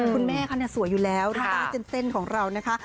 คุณแม่เขานะสวยอยู่แล้วอยู่ใจเต้นของเรานะคะ